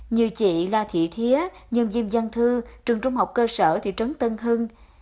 như chị la thị thía nhân viên giang thư trường trung học cơ sở thị trấn tân hưng